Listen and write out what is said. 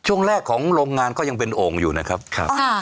ช่วงแรกของโรงงานก็ยังเป็นโอ่งอยู่นะครับ